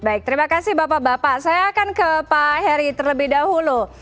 baik terima kasih bapak bapak saya akan ke pak heri terlebih dahulu